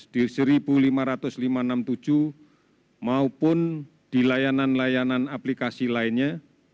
di seribu lima ratus lima ratus enam puluh tujuh maupun di layanan layanan aplikasi lainnya